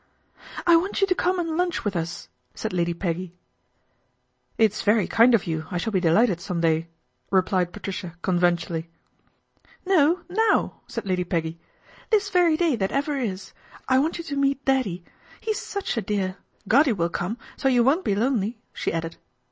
" I want you to come and lunch with us," said Lady Peggy. " It's very kind of you, I shall be delighted some day," replied Patricia conventionally. " No, now !" said Lady Peggy. " This very day that ever is c I want you to meet Daddy. He's such a dear. Goddy will come, so you won't be lonely," she added.